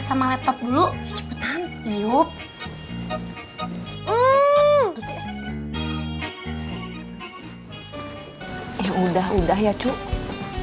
sekarang mendingan kamu duluan ke kantor